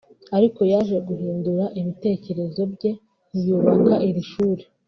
ariko yaje guhindura ibitekerezo bye ntiyubaka iri shuri